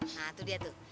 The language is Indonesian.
nah tuh dia tuh